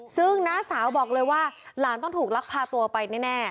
ซึ่งน้าสาวบอกเลยว่าหลานต้องถูกลักพาตัวไปแน่